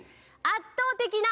「圧倒的な」